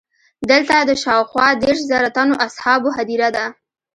دلته د شاوخوا دېرش زره تنو اصحابو هدیره ده.